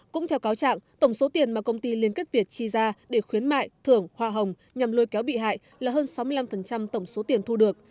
cũng theo cáo trạng tổng số tiền mà công ty liên kết việt chi ra để khuyến mại thưởng hoa hồng nhằm lôi kéo bị hại là hơn sáu mươi năm tổng số tiền thu được